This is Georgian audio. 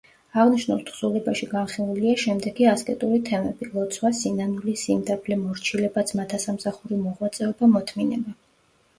აღნიშნულ თხზულებაში განხილულია შემდეგი ასკეტური თემები: ლოცვა, სინანული, სიმდაბლე, მორჩილება, ძმათა სამსახური, მოღვაწეობა, მოთმინება.